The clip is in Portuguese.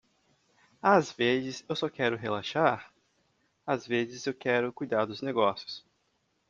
Às vezes eu só quero relaxar? às vezes eu quero cuidar dos negócios.